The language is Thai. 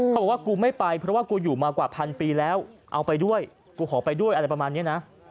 บอกว่ากูไม่ไปเพราะว่ากูอยู่มากว่าพันปีแล้วเอาไปด้วยกูขอไปด้วยอะไรประมาณนี้นะ